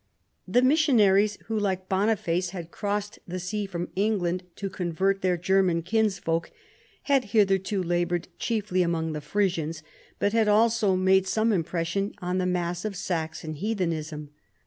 The missionaries who .like Boniface had crossed the sea from England to convert their German kinsfolk had hitherto labored chiefly among the Frisians, but had also made some impression on the mass of Saxon heathenism.